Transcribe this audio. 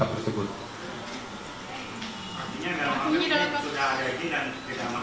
jadi perangkatnya sudah ada di perkab tersebut